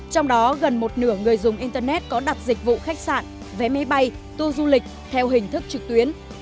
trong đó gần một nửa người dùng internet có đặt dịch vụ khách sạn vé máy bay tour du lịch theo hình thức trực tuyến